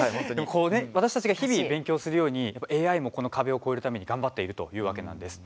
私たちが日々勉強するようにＡＩもこの壁を越えるために頑張っているというわけなんです。